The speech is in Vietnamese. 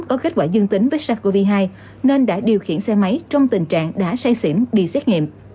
có kết quả dương tính với sars cov hai nên đã điều khiển xe máy trong tình trạng đã say xỉn đi xét nghiệm